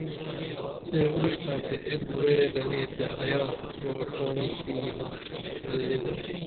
سے اُرشتا تے ایک بُرعی گنی تے ایا گوعہ ڜا نشی یمہ پھن لے درو